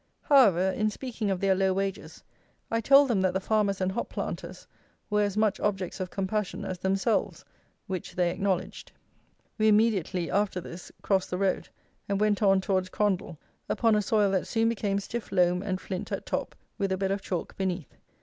However, in speaking of their low wages, I told them that the farmers and hop planters were as much objects of compassion as themselves, which they acknowledged. We immediately, alter this, crossed the road, and went on towards Crondall upon a soil that soon became stiff loam and flint at top with a bed of chalk beneath.